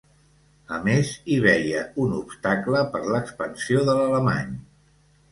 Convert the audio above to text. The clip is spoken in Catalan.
A més, hi veia un obstacle per l'expansió de l'alemany.